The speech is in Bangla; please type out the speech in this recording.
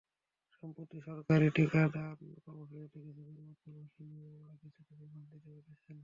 সম্প্রতি সরকারি টিকাদান কর্মসূচিতে কিছু পরিবর্তন আসায় মা-বাবারা কিছুটা বিভ্রান্তিতেও পড়ছেন।